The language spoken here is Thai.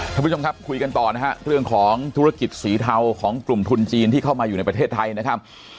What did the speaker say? ท่านผู้ชมครับคุยกันต่อนะฮะเรื่องของธุรกิจสีเทาของกลุ่มทุนจีนที่เข้ามาอยู่ในประเทศไทยนะครับ